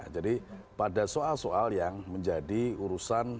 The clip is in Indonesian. jadi pada soal soal yang menjadi urusan